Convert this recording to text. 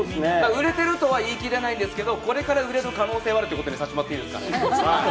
売れてるとは言い切れないですけど、これから売れる可能性はあるということでお願いします。